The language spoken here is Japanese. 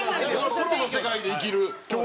プロの世界で生きる矜持が。